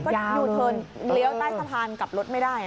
ก็ยูเทิร์นเลี้ยวใต้สะพานกลับรถไม่ได้